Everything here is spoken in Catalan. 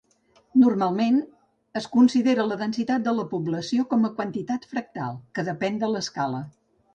Normalment, es considera la densitat de població com a quantitat fractal, que depèn de l'escala.